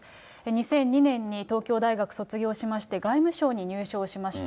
２００２年に東京大学卒業しまして、外務省に入省しました。